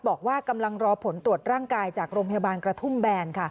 บอกว่ากำลังรอผลตรวจร่างกายจากโรงพยาบาลกระทุ่มแบน